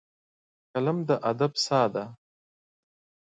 قلم د ادب ساه ده